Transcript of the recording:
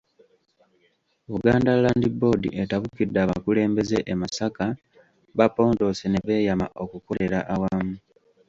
Buganda Land Board etabukidde abakulembeze e Masaka, bapondoose ne beeyama okukolera awamu.